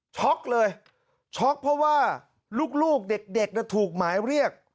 เลยช็อกเพราะว่าลูกเด็กถูกหมายเรียก